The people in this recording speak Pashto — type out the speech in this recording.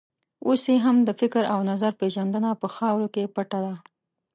اوس یې هم د فکر او نظر پېژندنه په خاورو کې پټه ده.